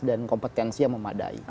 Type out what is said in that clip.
dan kompetensi yang memadai